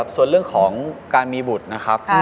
ส่วนเรื่องของการมีบุตรนะครับ